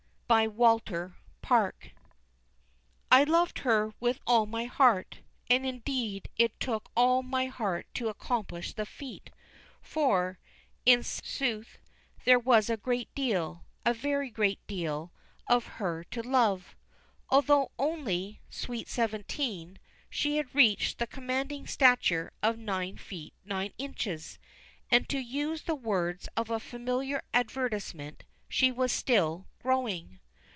WALTER PARKE. I loved her with all my heart, and, indeed, it took all my heart to accomplish the feat; for, in sooth, there was a great deal a very great deal of her to love. Although only "sweet seventeen," she had reached the commanding stature of nine feet nine inches, and, to use the words of a familiar advertisement, she was "still growing."